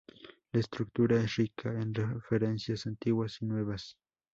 La estructura es rica en referencias antiguas y nuevas.